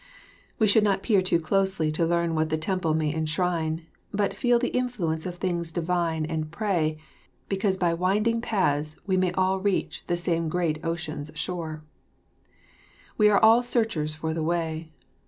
We should not peer too closely to learn what the temple may enshrine, but "feel the influence of things Divine and pray, because by winding paths we all may reach the same great Ocean's shore." We all are searchers for the Way.